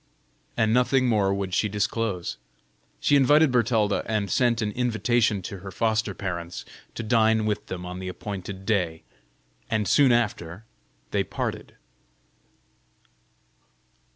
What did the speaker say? And nothing more would she disclose. She invited Bertalda and sent an invitation to her foster parents, to dine with them on the appointed day, and soon after they parted.